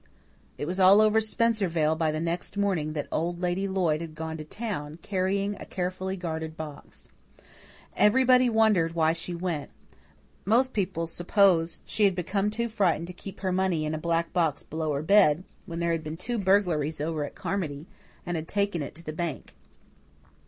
It was all over Spencervale by the next morning that Old Lady Lloyd had gone to town, carrying a carefully guarded box. Everybody wondered why she went; most people supposed she had become too frightened to keep her money in a black box below her bed, when there had been two burglaries over at Carmody, and had taken it to the bank.